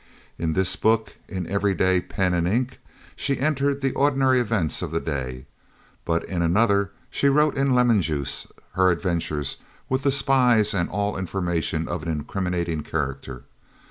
In this book, in everyday pen and ink, she entered the ordinary events of the day, but in another she wrote in lemon juice her adventures with the spies and all information of an incriminating character.